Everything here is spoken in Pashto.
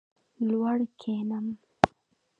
لوړ کښېنم.